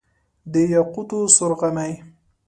د یاقوتو سور غمی،